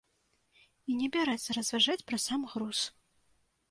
І не бярэцца разважаць пра сам груз.